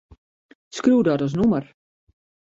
Skriuw dat as nûmer.